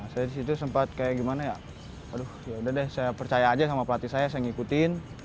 saya disitu sempat kayak gimana ya aduh yaudah deh saya percaya aja sama pelatih saya saya ngikutin